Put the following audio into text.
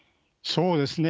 そうですね。